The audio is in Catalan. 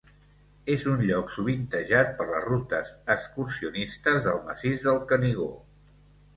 És un lloc sovintejat per les rutes excursionistes del Massís del Canigó.